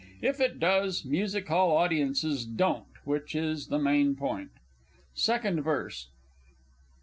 If it does, Music hall audiences don't which is the main point._ _Second Verse.